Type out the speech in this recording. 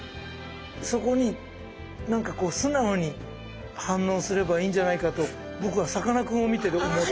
そこに何かこう素直に反応すればいいんじゃないかと僕はさかなクンを見てて思った。